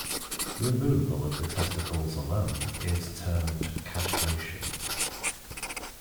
Removal of the testicles alone is termed castration.